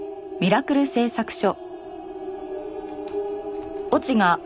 ミラクル製作所。